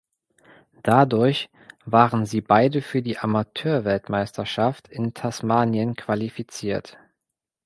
Dadurch waren sie beide für die Amateurweltmeisterschaft in Tasmanien qualifiziert.